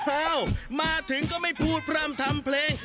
อ้าวมาถึงก็ไม่พูดพร่ำทำเพลง